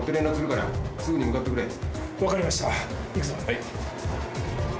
はい。